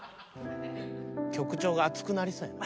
曲調が熱くなりそうやな。